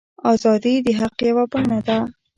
ازادي د حق یوه بڼه ده.